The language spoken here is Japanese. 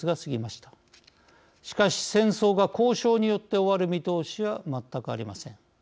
しかし、戦争が交渉によって終わる見通しは全くありません。